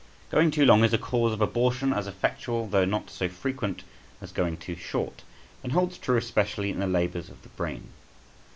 GOING too long is a cause of abortion as effectual, though not so frequent, as going too short, and holds true especially in the labours of the brain.